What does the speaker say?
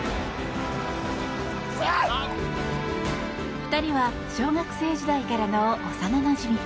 ２人は小学生時代からの幼なじみ。